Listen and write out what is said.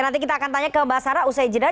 nanti kita akan tanya ke mbak sara usai jeddah